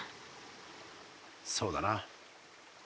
そうだな。